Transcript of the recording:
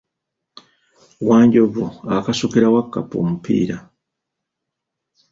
Wanjovu akasukira Wakkapa omupiira.